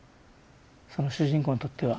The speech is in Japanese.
その主人公にとっては。